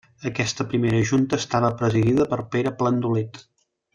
Aquesta primera junta estava presidida per Pere Plandolit.